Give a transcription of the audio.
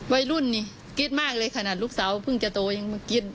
วัยรุ่นนี่กรี๊ดมากเลยขนาดลูกสาวเพิ่งจะโตยังเมื่อกี้